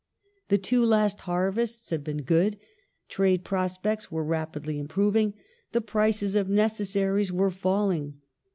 The two last harvests had been good ; trade prospects were rapidly improving ; the prices of necessaries were falling.